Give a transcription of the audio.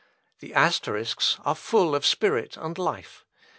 The Asterisks are full of spirit and life.